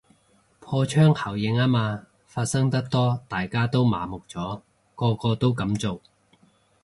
破窗效應吖嘛，發生得多大家都麻木咗，個個都噉做